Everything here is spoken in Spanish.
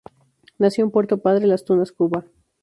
Nació en Puerto Padre, Las Tunas, Cuba.